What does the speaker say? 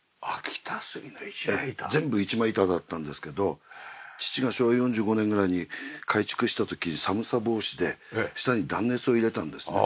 全部一枚板だったんですけど父が昭和４５年ぐらいに改築した時寒さ防止で下に断熱を入れたんですね。